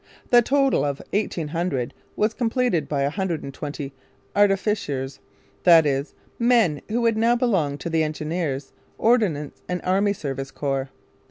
The total of eighteen hundred was completed by a hundred and twenty 'artificers,' that is, men who would now belong to the Engineers, Ordnance, and Army Service Corps.